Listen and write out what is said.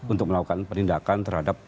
untuk melakukan perlindakan terhadap